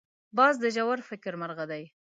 باز د ژور فکر مرغه دی